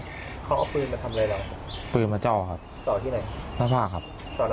เขาเอาปืนมาทำอะไรเราปืนมาจ่อครับจ่อที่ไหนหน้าผ้าครับ